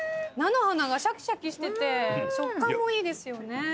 菜の花がシャキシャキしてて食感もいいですよね。